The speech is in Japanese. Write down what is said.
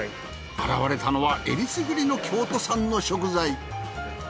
現れたのはえりすぐりの京都産の食材。